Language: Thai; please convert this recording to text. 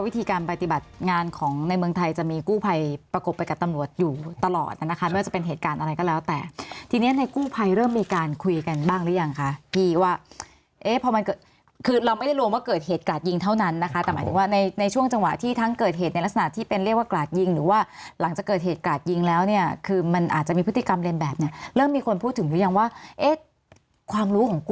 ที่การปฏิบัติงานของในเมืองไทยจะมีกู้ภัยประกบไปกับตำรวจอยู่ตลอดนะคะไม่ว่าจะเป็นเหตุการณ์อะไรก็แล้วแต่ทีนี้ในกู้ภัยเริ่มมีการคุยกันบ้างหรือยังคะพี่ว่าคือเราไม่ได้รู้ว่าเกิดเหตุกราดยิงเท่านั้นนะคะแต่หมายถึงว่าในช่วงจังหวะที่ทั้งเกิดเหตุในลักษณะที่เป็นเรียกว่ากราดยิงหรือว่า